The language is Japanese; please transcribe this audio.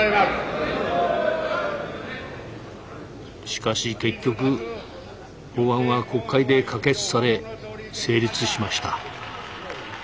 しかし結局法案は国会で可決され成立しました。